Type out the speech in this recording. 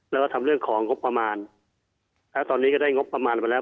แล้วก็ทำเรื่องของงบประมาณแล้วตอนนี้ก็ได้งบประมาณไปแล้ว